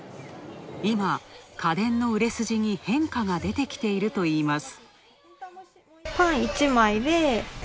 今、家電の売れ筋に変化が出てきているといいます。